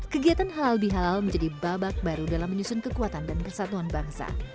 kegiatan halal bihalal menjadi babak baru dalam menyusun kekuatan dan persatuan bangsa